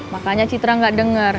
makanya citra gak denger